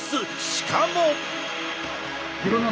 しかも。